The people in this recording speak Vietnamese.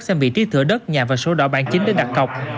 xem vị trí thửa đất nhà và số đỏ bản chính để đặt cọc